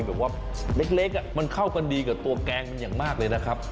แบบว่าเล็กมันเข้ากันดีกับตัวแกงมันอย่างมากเลยนะครับ